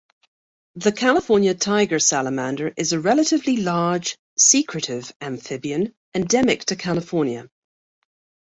The California tiger salamander is a relatively large, secretive amphibian endemic to California.